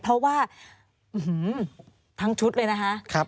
เพราะว่าทั้งชุดเลยนะคะ